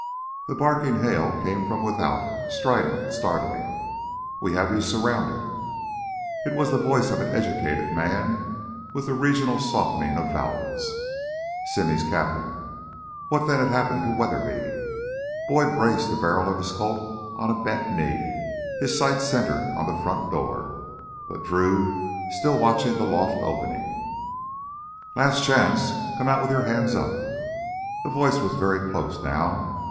The barking hail came from without, strident, startling. "We have you surrounded." It was the voice of an educated man with the regional softening of vowels. Simmy's cap'n? What then had happened to Weatherby? Boyd braced the barrel of his Colt on a bent knee, its sights centered on the front door. But Drew still watched the loft opening. "Last chance ... come out with your hands up!" The voice was very close now.